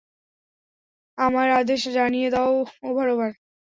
আমার আদেশ জানিয়ে দাও, ওভার ওভার।